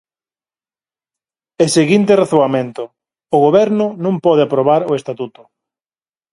E seguinte razoamento: o Goberno non pode aprobar o estatuto.